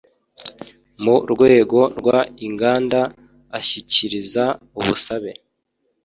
mu rwego rw inganda ashyikiriza ubusabe